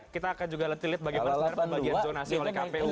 kita akan juga lihat bagaimana bagian zonasi oleh kpu